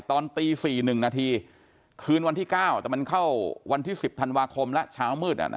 ตอนตี๔๑นาทีคืนวันที่๙แต่มันเข้าวันที่๑๐ธันวาคมแล้วเช้ามืด